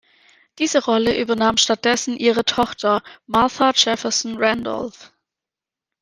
Diese Rolle übernahm stattdessen ihre Tochter Martha Jefferson Randolph.